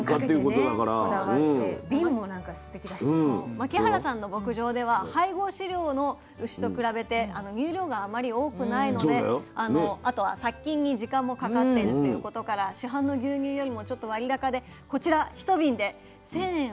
牧原さんの牧場では配合飼料の牛と比べて乳量があまり多くないのであとは殺菌に時間もかかっているということから市販の牛乳よりもちょっと割高でこちら１瓶で１，０００円を超える価格となっています。